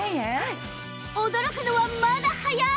驚くのはまだ早い！